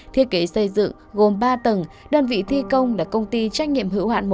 thiết kế xây dựng gồm ba tầng đoàn vị thi công đã công ty trách nhiệm hữu hạn